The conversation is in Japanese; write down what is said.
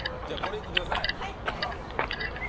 じゃあこれ一個下さい。